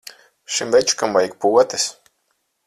Šim večukam vajag potes.